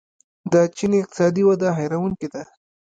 د چین اقتصادي وده حیرانوونکې ده.